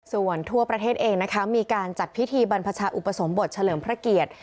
ส่วนทั่วประเทศเองนะคะมีการจัดพิธีบรรพชาอุปสมบทเฉลิมพระเกียรติ